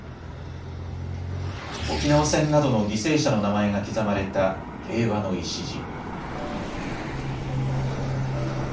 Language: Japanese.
沖縄戦などの犠牲者の名前が刻まれた平和の礎。